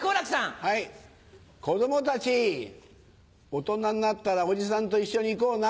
大人になったらおじさんと一緒に行こうな。